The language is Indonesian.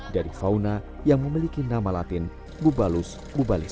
dari fauna yang memiliki nama latin bubalus bubalus